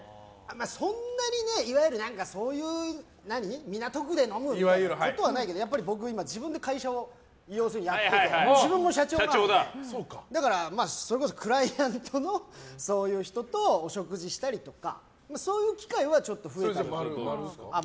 そんなに、いわゆる港区で飲むみたいなことはないけどやっぱり僕今、自分で会社をやってて自分も社長なので、それこそクライアントのそういう人とお食事したりとかそういう機会は増えたかな。